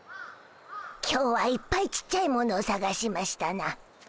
今日はいっぱいちっちゃいものをさがしましたな。